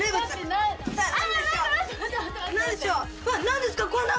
何ですか？」